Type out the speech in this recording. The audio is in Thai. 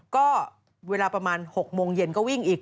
ก็เวลาประมาณ๖โมงเย็นก็วิ่งอีก